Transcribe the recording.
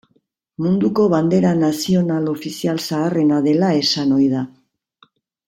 Munduko bandera nazional ofizial zaharrena dela esan ohi da.